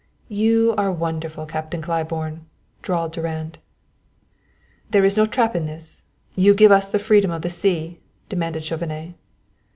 "You are wonderful, Captain Claiborne," drawled Durand. "There is no trap in this? You give us the freedom of the sea?" demanded Chauvenet.